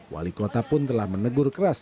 wali kota pun telah menegur keras